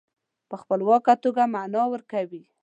په خپلواکه توګه معنا ورکوي.